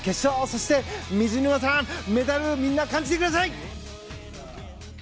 そして、水沼さんメダルをみんな感じてください！